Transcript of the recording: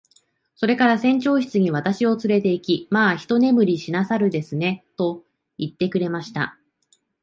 それから船長室に私をつれて行き、「まあ一寝入りしなさるんですね。」と言ってくれました。